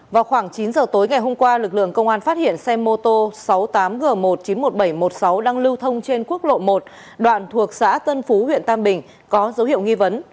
vào khoảng chín giờ tối ngày hôm qua lực lượng công an phát hiện xe mô tô sáu mươi tám g một trăm chín mươi một nghìn bảy trăm một mươi sáu đang lưu thông trên quốc lộ một đoạn thuộc xã tân phú huyện tam bình có dấu hiệu nghi vấn